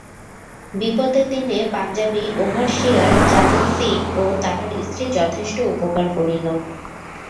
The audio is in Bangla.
বিপদের দিনে পাঞ্জাবী ওভারসিয়ার জালিম সিং ও তাহার স্ত্রী যথেষ্ট উপকার করিল।